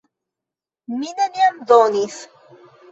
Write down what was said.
Mi neniam donis.